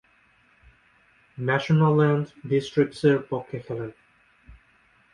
Mashonaland ডিস্ট্রিক্টসের পক্ষে খেলেন।